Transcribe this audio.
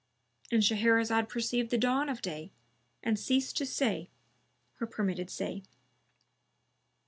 "—And Shahrazad per ceived the dawn of day and ceased to say her permitted say.